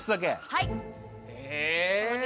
はい。